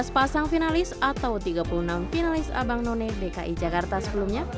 dua belas pasang finalis atau tiga puluh enam finalis abang none dki jakarta sebelumnya